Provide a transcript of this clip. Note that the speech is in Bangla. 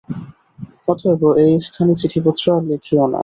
অতএব এ স্থানে চিঠিপত্র আর লিখিও না।